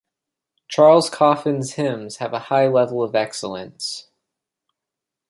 Charles Coffin's hymns have a high level of excellence.